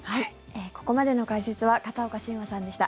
ここまでの解説は片岡信和さんでした。